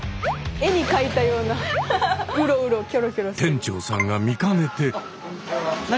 店長さんが見かねて。